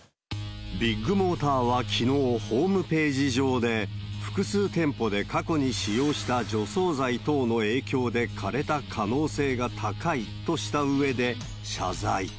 ビッグモーターはきのう、ホームページ上で、複数店舗で過去に使用した除草剤等の影響で枯れた可能性が高いとしたうえで謝罪。